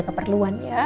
mau belanja keperluan ya